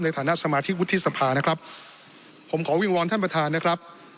ในฐานะสมาชิกวุฒิสภานะครับผมขอวิงวอนท่านประธานนะครับ